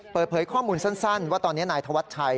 เปิดเผยข้อมูลสั้นว่าตอนนี้นายธวัชชัย